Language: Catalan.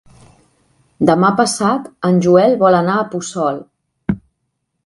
Demà passat en Joel vol anar a Puçol.